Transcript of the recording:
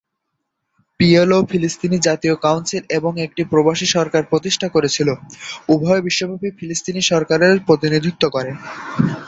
PLO ফিলিস্তিনি জাতীয় council এবং একটি প্রবাসী সরকার প্রতিষ্ঠা করেছিল, উভয়ই বিশ্বব্যাপী ফিলিস্তিনি জনগণের প্রতিনিধিত্ব করে।